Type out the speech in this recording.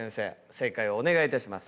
正解をお願いいたします。